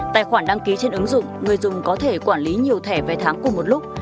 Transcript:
tài khoản đăng ký trên ứng dụng người dùng có thể quản lý nhiều thẻ vé tháng cùng một lúc